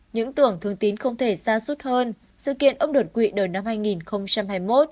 những tưởng thường tín không thể xa suốt hơn sự kiện ông đột quỵ đời năm hai nghìn hai mươi một